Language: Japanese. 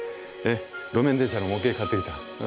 路面電車の模型買ってきた。